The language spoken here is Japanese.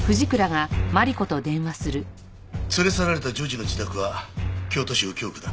連れ去られた女児の自宅は京都市右京区だ。